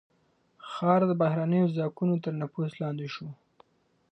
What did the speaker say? ښار د بهرنيو ځواکونو تر نفوذ لاندې شو.